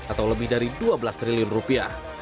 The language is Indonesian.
atau lebih dari dua belas triliun rupiah